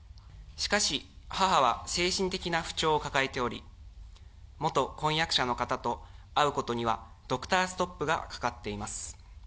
しかし、母は精神的な不調を抱えており、元婚約者の方と会うことにはドクターストップがかかっています。